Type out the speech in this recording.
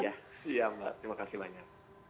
iya mbak terima kasih banyak